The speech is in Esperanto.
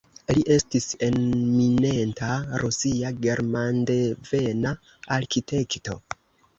Li estis eminenta rusia, germandevena arkitekto.